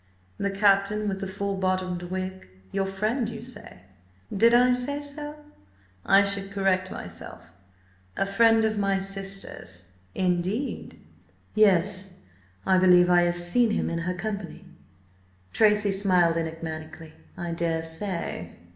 "The captain with the full bottomed wig? Your friend, you say?" "Did I say so? I should correct myself: a friend of my sister's." "Indeed? Yes, I believe I have seen him in her company." Tracy smiled enigmatically. "I daresay."